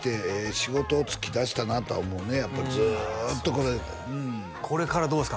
仕事就きだしたなとは思うねやっぱずっとこれこれからどうですか？